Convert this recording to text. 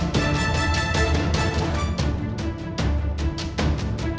ครับคุณมีคำประสาทของเธอ